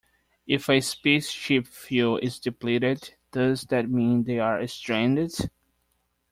If a space ship fuel is depleted, does that mean they are stranded?